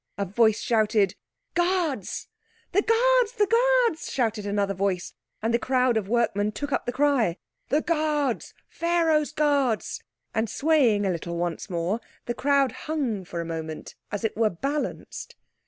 A voice shouted, "Guards!" "The Guards! The Guards!" shouted another voice, and the crowd of workmen took up the cry. "The Guards! Pharaoh's Guards!" And swaying a little once more, the crowd hung for a moment as it were balanced.